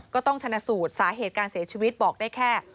ก็ต้องชนะสูตรสาเหตุการเสียชีวิตบอกได้แค่